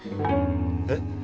えっ？